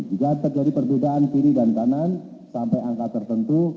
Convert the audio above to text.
jika terjadi perbedaan kiri dan kanan sampai angka tertentu